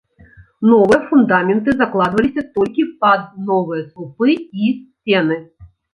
Новыя фундаменты закладваліся толькі пад новыя слупы і сцены.